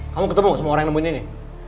kamu ketemu sama orang yang nemuin ini